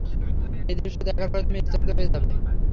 এই দৃশ্য দেখার পরে তুমি স্তব্ধ হয়ে যাবে।